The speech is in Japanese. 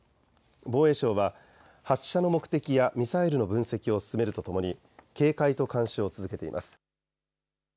防衛省は発射の目的やミサイルの分析を進めるとともに警戒と監視を続けています。